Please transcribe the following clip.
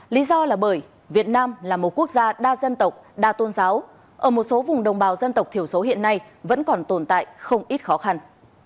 lý do là bởi việt nam là một quốc gia đa dân tộc đa tôn giáo ở một số vùng đồng bào dân tộc thiểu số hiện nay vẫn còn tồn tại không ít khó khăn